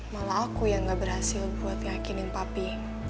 malah aku yang gak berhasil buat yakinin papi